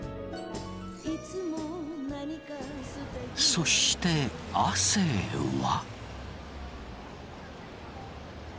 そして亜生は。